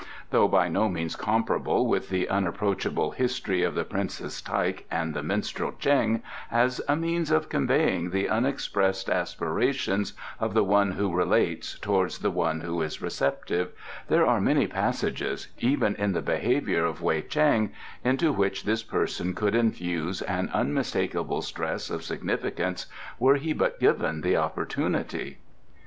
"Though by no means comparable with the unapproachable history of the Princess Taik and the minstrel Ch'eng as a means for conveying the unexpressed aspirations of the one who relates towards the one who is receptive, there are many passages even in the behaviour of Wei Chang into which this person could infuse an unmistakable stress of significance were he but given the opportunity."